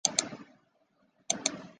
宠爱她的阿公